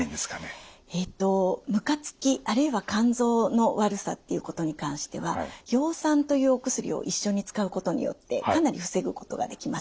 えとむかつきあるいは肝臓の悪さっていうことに関しては葉酸というお薬を一緒に使うことによってかなり防ぐことができます。